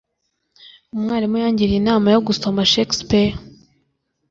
Umwarimu yangiriye inama yo gusoma Shakespeare